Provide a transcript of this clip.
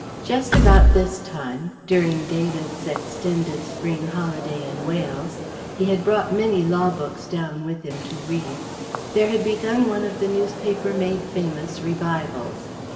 Just about this time during David's extended spring holiday in Wales (he had brought many law books down with him to read) there had begun one of the newspaper made famous Revivals.